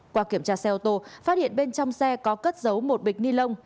qua kiểm tra xe ô tô phát hiện bên trong xe có cất giấu một bịch ni lông